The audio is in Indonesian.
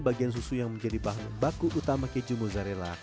bagian susu yang menjadi bahan baku utama keju mozzarella